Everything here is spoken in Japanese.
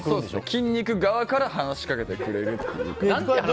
筋肉側から話しかけてくれるっていう。